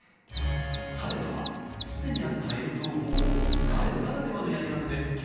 タレガは既にあった演奏法を彼ならではのやり方で曲に使いました。